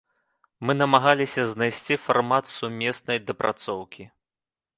Мы намагаліся знайсці фармат сумеснай дапрацоўкі.